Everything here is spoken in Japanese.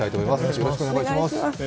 よろしくお願いします。